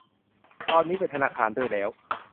ตอนนี้เป็นธนาคารด้วยแล้ว